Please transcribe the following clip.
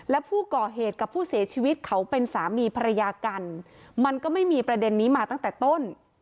และผู้ก่อเหตุกับผู้เสียชีวิตเขาเป็นสามีภรรยากันมันก็ไม่มีประเด็นนี้มาตั้งแต่ต้น